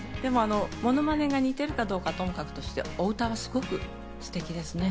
モノマネが似ているかどうかはともかくとして、お歌はすごくステキですね。